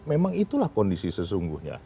memang itulah kondisi sesungguhnya